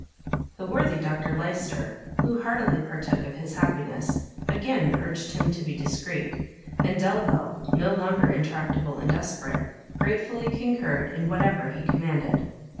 The worthy Dr Lyster, who heartily partook of his happiness, again urged him to be discreet; and Delvile, no longer intractable and desperate, gratefully concurred in whatever he commanded.